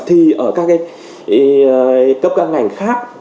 thì ở các cấp các ngành khác